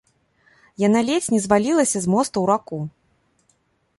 Яна ледзь не звалілася з моста ў раку.